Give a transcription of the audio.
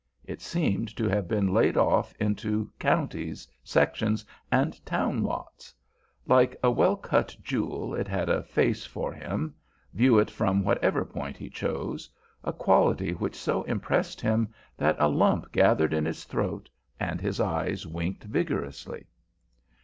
It seemed to have been laid off into counties, sections, and town lots. Like a well cut jewel, it had a face for him, view it from whatever point he chose, a quality which so impressed him that a lump gathered in his throat, and his eyes winked vigorously.